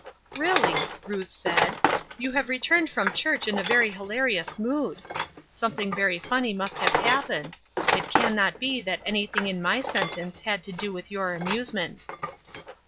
"Really," Ruth said, "you have returned from church in a very hilarious mood; something very funny must have happened; it can not be that anything in my sentence had to do with your amusement."